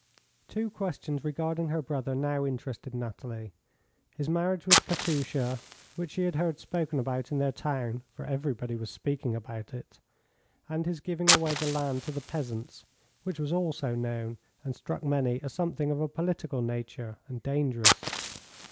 Two questions regarding her brother now interested Nathalie: his marriage with Katusha, which she had heard spoken about in their town for everybody was speaking about it and his giving away the land to the peasants, which was also known, and struck many as something of a political nature, and dangerous.